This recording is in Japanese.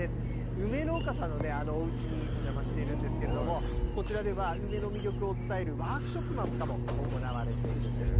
梅農家さんのおうちにお邪魔しているんですけれども、こちらでは、梅の魅力を伝えるワークショップなんかも行われているんです。